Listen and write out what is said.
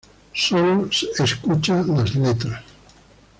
Solo escucha las letras".